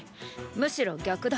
むしろ逆だ。